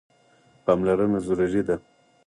پاملرنه ضروري ده.